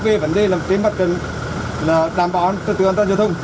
về vấn đề làm chế mắc trận là đảm bảo cho tựa an toàn giao thông